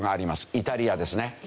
イタリアですね。